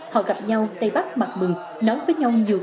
họ gặp nhau tây bắc mặc mừng nói với nhau nhiều câu